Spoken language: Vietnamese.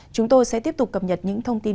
chúng tôi sẽ tiếp tục cập nhật những thông tin